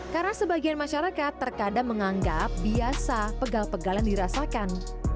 karena sebagian masyarakat terkadang menganggap biasa pegal pegalan dirasakan